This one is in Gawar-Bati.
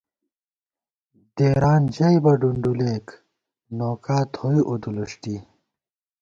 دېران ژَیبہ ڈُنڈُولېک ، نوکا تھوئی اُدُلُݭٹی